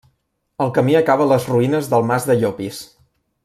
El camí acaba a les ruïnes del mas de Llopis.